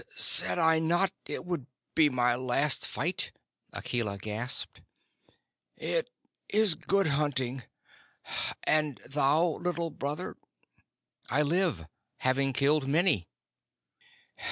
"Said I not it would be my last fight?" Akela panted. "It is good hunting. And thou, Little Brother?" "I live, having killed many."